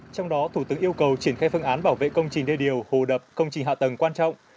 trong đó thủ tướng yêu cầu triển khai phương án bảo vệ công trình đê điều hồ đập công trình hạ tầng quan trọng